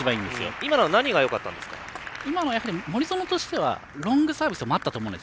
今は森薗としてはロングサービスを待ったと思うんです。